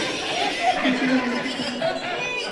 早在齐高帝时期就设立校籍官和置令史来清查户籍。